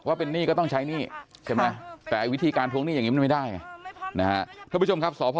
ว่าเป็นหนี้ก็ต้องใช้หนี้แต่วิธีการทวงหนี้ไม่ได้นะครับสอบพ่อ